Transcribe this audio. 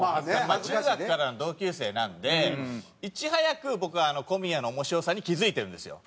中学からの同級生なんでいち早く僕は小宮の面白さに気付いてるんですよ。